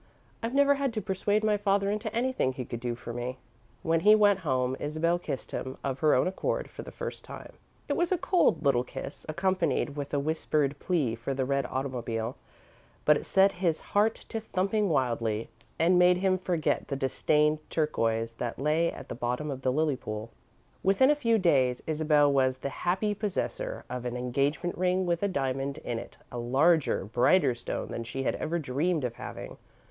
I've never had to persuade my father into anything he could do for me." When he went home, Isabel kissed him, of her own accord, for the first time. It was a cold little kiss, accompanied with a whispered plea for the red automobile, but it set his heart to thumping wildly, and made him forget the disdained turquoise, that lay at the bottom of the lily pool. Within a few days, Isabel was the happy possessor of an engagement ring with a diamond in it a larger, brighter stone than she had ever dreamed of having.